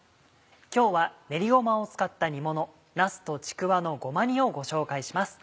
今日は練りごまを使った煮もの「なすとちくわのごま煮」をご紹介します。